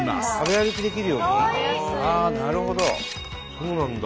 そうなんだ。